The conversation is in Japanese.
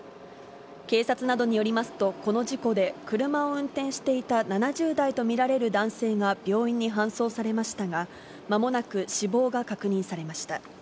警察などによりますと、この事故で車を運転していた７０代と見られる男性が病院に搬送されましたが、まもなく死亡が確認されました。